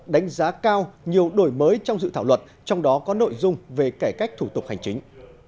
đánh giá cao nhiều đổi mới trong sự thảo luận trong đó có nội dung về kể cách thủ tục hành chính